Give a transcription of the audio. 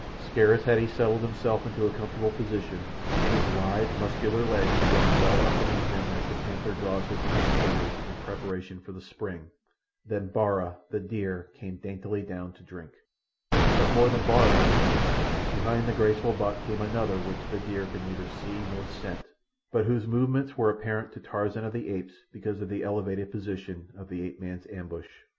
Scarce had he settled himself to a comfortable position, his lithe, muscular legs drawn well up beneath him as the panther draws his hindquarters in preparation for the spring, than Bara, the deer, came daintily down to drink. But more than Bara was coming. Behind the graceful buck came another which the deer could neither see nor scent, but whose movements were apparent to Tarzan of the Apes because of the elevated position of the ape man's ambush.